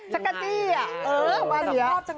ชะกัดเจี้ยเออป่าวเจ้า